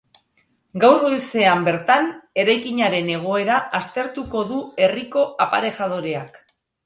Gaur goizean bertan, eraikinaren egoera aztertuko du herriko aparejadoreak.